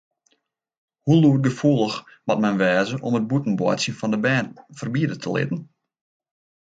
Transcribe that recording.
Hoe lûdgefoelich moat men wêze om it bûten boartsjen fan bern ferbiede te litten?